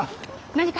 何か。